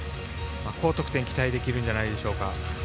高得点が期待できるんじゃないでしょうか。